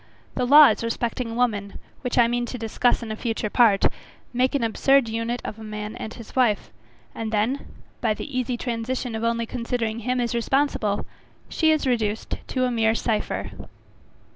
The laws respecting woman, which I mean to discuss in a future part, make an absurd unit of a man and his wife; and then, by the easy transition of only considering him as responsible, she is reduced to a mere cypher.